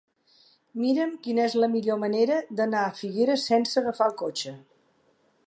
Mira'm quina és la millor manera d'anar a Figueres sense agafar el cotxe.